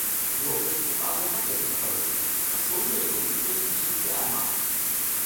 Jeho otec pocházel také z Kappadokie a sloužil jako důstojník v římské armádě.